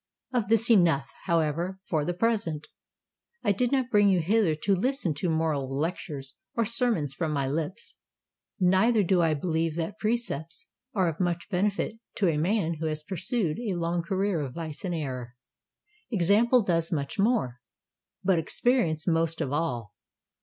Of this enough, however, for the present. I did not bring you hither to listen to moral lectures or sermons from my lips. Neither do I believe that precepts are of much benefit to a man who has pursued a long career of vice and error. Example does much more—but experience most of all.